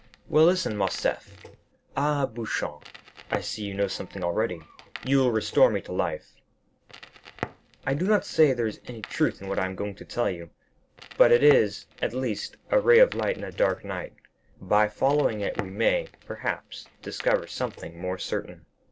"Well, listen, Morcerf." "Ah, Beauchamp, I see you know something already; you will restore me to life." "I do not say there is any truth in what I am going to tell you, but it is, at least, a ray of light in a dark night; by following it we may, perhaps, discover something more certain."